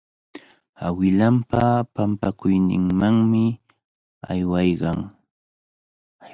Awilanpa pampakuyninmanmi aywaykan.